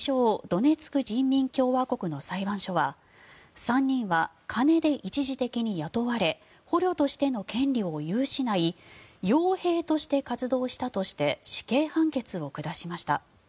・ドネツク人民共和国の裁判所は３人は金で一時的に雇われ捕虜としての権利を有しない傭兵として活動したとして死刑判決を下しました。